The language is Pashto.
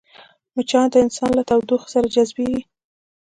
مچان د انسان له تودوخې سره جذبېږي